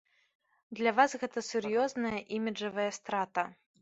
Для вас гэта сур'ёзная іміджавая страта.